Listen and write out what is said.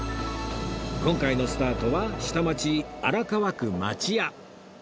今回のスタートは下町荒川区町屋